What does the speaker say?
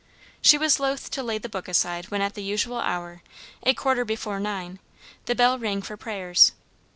She was loath to lay the book aside when at the usual hour a quarter before nine the bell rang for prayers.